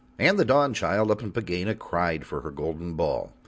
And the Dawnchild up in Pegāna cried for her golden ball.